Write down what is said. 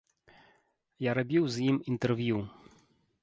Я рабіў з ім інтэрв'ю.